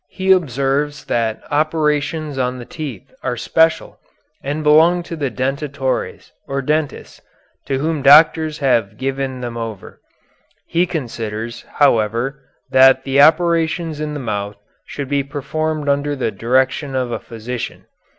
He observes that operations on the teeth are special and belong to the dentatores, or dentists, to whom doctors had given them over. He considers, however, that the operations in the mouth should be performed under the direction of a physician.